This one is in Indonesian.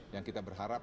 yang kita berharap